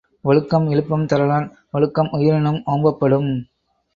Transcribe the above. ஒழுக்கம் விழுப்பம் தரலான் ஒழுக்கம் உயிரினும் ஓம்பப் படும்.